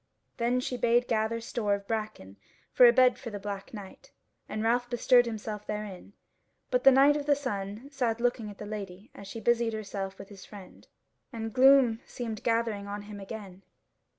Then she bade gather store of bracken for a bed for the Black Knight, and Ralph bestirred himself therein, but the Knight of the Sun sat looking at the Lady as she busied herself with his friend, and gloom seemed gathering on him again.